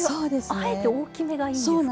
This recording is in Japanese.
あえて大きめがいいんですか？